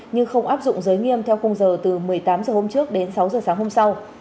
nhưng không áp dụng giới nghiêm theo khung giờ từ một mươi tám h hôm trước đến sáu h sáng hôm sau